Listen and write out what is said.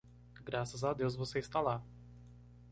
Graças a Deus você está lá!